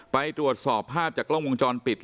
ไปตรวจสอบภาพจากล้องวงจรประเภท